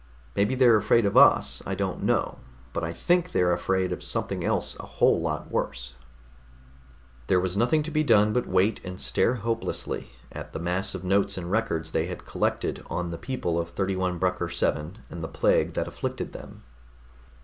"Maybe they're afraid of us, I don't know. But I think they're afraid of something else a whole lot worse." There was nothing to be done but wait and stare hopelessly at the mass of notes and records that they had collected on the people of 31 Brucker VII and the plague that afflicted them.